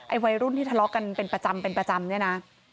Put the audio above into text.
ไอ้วัยรุ่นที่ทะเลาะกันเป็นประจำนี่นะ